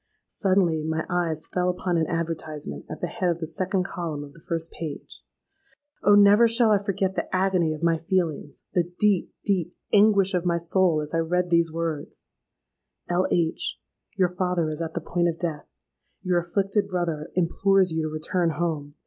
Suddenly my eyes fell upon an advertisement at the head of the second column of the first page. Oh! never shall I forget the agony of my feelings—the deep, deep anguish of my soul, as I read these words:—'_L. H., your father is at the point of death. Your afflicted brother implores you to return home.